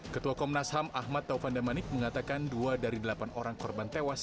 ketua komnas ham ahmad taufan damanik mengatakan dua dari delapan orang korban tewas